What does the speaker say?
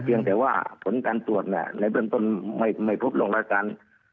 เพียงแต่ว่าผลการตรวจในเบื้องต้นไม่พบลงราชการ